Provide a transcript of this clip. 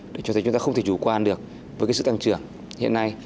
để cho thấy chúng ta không thể chủ quan được với cái sự tăng trưởng hiện nay